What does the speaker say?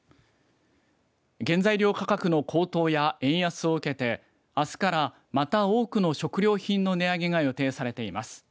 原材料価格の高騰や円安を受けてあすからまた多くの食料品の値上げが予定されています。